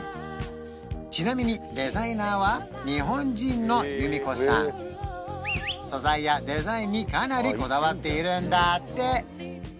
ちなみにデザイナーは日本人の裕美子さん素材やデザインにかなりこだわっているんだって